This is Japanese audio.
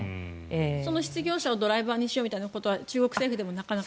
その失業者をドライバーにしようというのは中国政府でもなかなか。